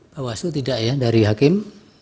bawas itu tidak ya dari hakim